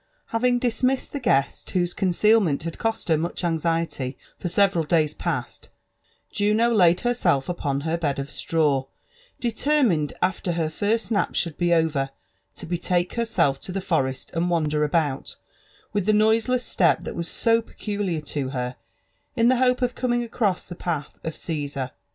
Having dismissed the guest whose concealment had cost her much anxiety for several days past, Juno laid herself upon her hed of straw, determined, after her first nap should be over, to betake herself to the forest and wander about, with the noiseless step that was so peculiar to her, in the hope of coming across the path of Caesar.